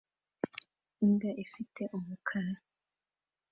imbwa ifite umukara